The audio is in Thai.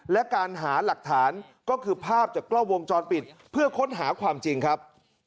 และการหาหลักฐานก็คือภาพจากกล้องวงจรปิดเพื่อค้นหาความจริงครับ